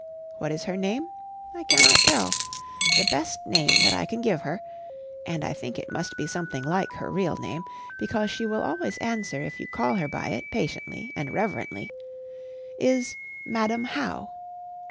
What is her name? I cannot tell. The best name that I can give her (and I think it must be something like her real name, because she will always answer if you call her by it patiently and reverently) is Madam How.